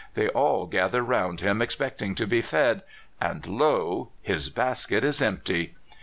They all gather round him, expecting to be fed, and lo ! his basket is empty.